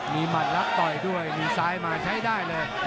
มีหมัดรับต่อยด้วยมีซ้ายมาใช้ได้เลย